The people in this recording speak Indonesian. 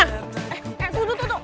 eh tunggu tuh